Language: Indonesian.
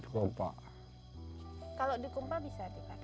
kalau dikumpulkan bisa dikat